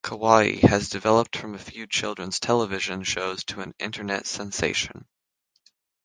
Kawaii has developed from a few children's television shows to an Internet sensation.